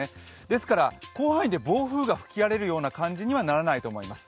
ですから、広範囲で暴風雨が吹き荒れるような感じにはならないと思います。